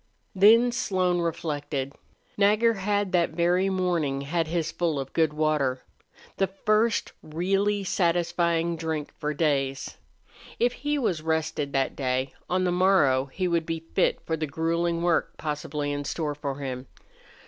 Then Slone reflected. Nagger had that very morning had his fill of good water the first really satisfying drink for days. If he was rested that day, on the morrow he would be fit for the grueling work possibly in store for him.